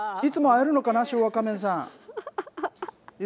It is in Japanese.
いつも会えるのかな昭和仮面さん。